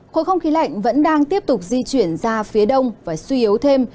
khối không khí lạnh vẫn đang tiếp tục di chuyển ra phía đông và suy yếu thêm